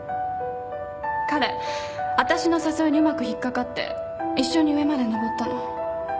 彼私の誘いにうまく引っ掛かって一緒に上まで上ったの。